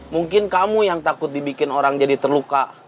mungkin kamu yang takut dibikin orang jadi terluka